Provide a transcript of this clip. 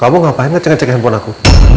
kamu ngapain ga cek cek handphone aku